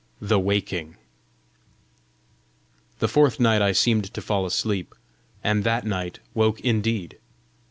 THE WAKING The fourth night I seemed to fall asleep, and that night woke indeed.